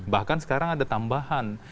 bahkan sekarang ada tambahan